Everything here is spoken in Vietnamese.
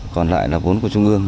còn lại là vốn của trung ương